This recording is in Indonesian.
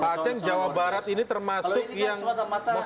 pak ceng jawa barat ini termasuk yang masih tidak percaya atau tidak